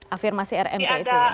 afirmasi rmp itu ya